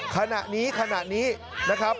ขณะนี้ขณะนี้นะครับ